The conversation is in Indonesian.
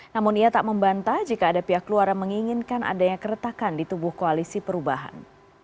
namun ia tak membantah jika ada pihak keluarga menginginkan adanya keretakan di tubuh koalisi perubahan